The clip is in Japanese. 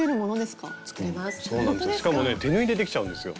しかもね手縫いでできちゃうんですよ。